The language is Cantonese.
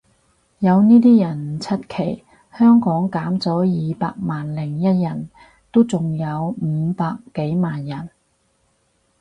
有呢啲人唔出奇，香港減咗二百萬零一人都仲有五百幾萬人